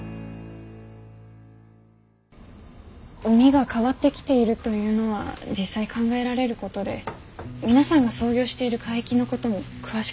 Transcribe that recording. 海が変わってきているというのは実際考えられることで皆さんが操業している海域のことも詳しく解析できますし。